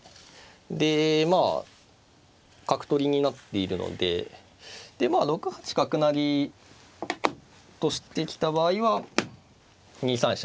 でまあ角取りになっているのでまあ６八角成としてきた場合は２三飛車